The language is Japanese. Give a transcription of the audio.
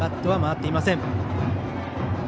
バットは回っていません。